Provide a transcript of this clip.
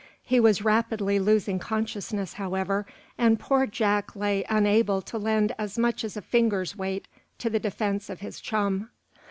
He was rapidly losing consciousness, however, and poor Jack lay unable to lend as much as a finger's weight to the defense of his chum.